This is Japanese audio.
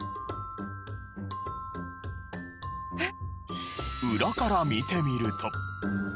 えっ！？